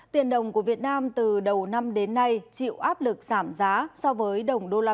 tiền đồng của việt nam từ đầu năm đến nay chịu áp lực giảm giá so với đồng usd